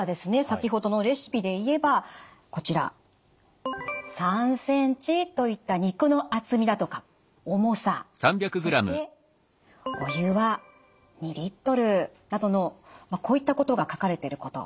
先ほどのレシピでいえばこちら「３センチ」といった肉の厚みだとか重さそしてお湯は「２リットル」などのこういったことが書かれてること。